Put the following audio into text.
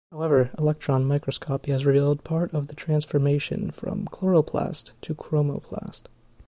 However, electron microscopy has revealed part of the transformation from chloroplast to chromoplast.